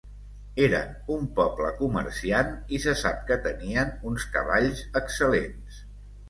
Eren un poble comerciant i se sap que tenien uns cavalls excel·lents.